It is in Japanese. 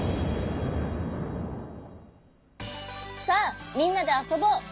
さあみんなであそぼう！